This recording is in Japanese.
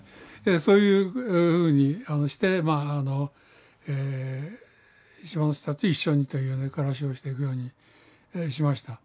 そういうふうにしてまああの島の人たちと一緒にという暮らしをしていくようにしました。